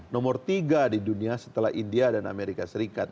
nomor tiga di dunia setelah india dan amerika serikat